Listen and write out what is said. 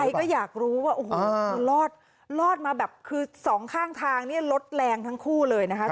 ใครก็อยากรู้ว่าโอ้โหรอดมาแบบคือสองข้างทางเนี่ยลดแรงทั้งคู่เลยนะคะ